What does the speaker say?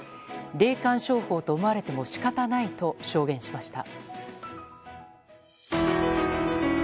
霊感商法と思われても仕方ないと証言しました。